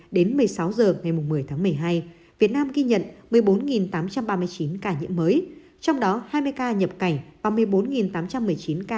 đến một mươi sáu h ngày một mươi tháng một mươi hai việt nam ghi nhận một mươi bốn tám trăm ba mươi chín ca nhiễm mới trong đó hai mươi ca nhập cảnh và một mươi bốn tám trăm một mươi chín ca